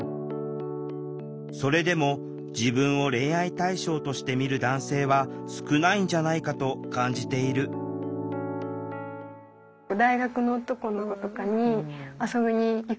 それでも自分を恋愛対象として見る男性は少ないんじゃないかと感じている分かります？